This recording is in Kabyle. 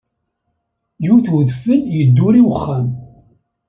Yut udfel yedduri uxxam.